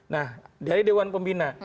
nah dari dewan pembina